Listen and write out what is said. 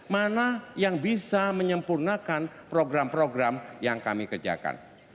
mana yang bisa menyempurnakan program program yang kami kerjakan